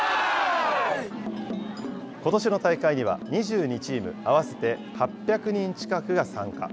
ことしの大会には２２チーム、合わせて８００人近くが参加。